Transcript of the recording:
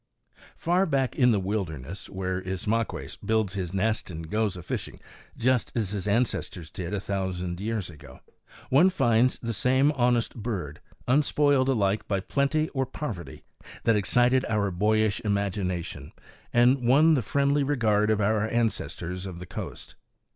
Far back in the wilderness, where Ismaques builds his nest and goes a fishing just as his ancestors did a thousand years ago, one finds the same honest bird, unspoiled alike by plenty or poverty, that excited our boyish imagination and won the friendly regard of our ancestors of the coast.